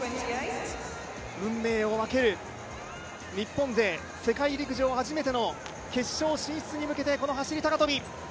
運命を分ける、日本勢世界陸上、初めての決勝進出に向けてこの走高跳。